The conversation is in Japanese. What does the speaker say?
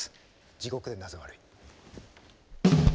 「地獄でなぜ悪い」。